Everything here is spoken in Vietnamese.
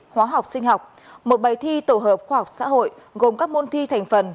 hóa học sinh học một bài thi tổ hợp khoa học xã hội gồm các môn thi thành phần